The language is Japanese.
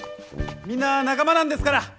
みんな仲間なんですから！